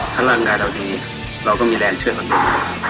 ถ้าร่างกายเท่านี้เราก็มีแดนชื่อของดู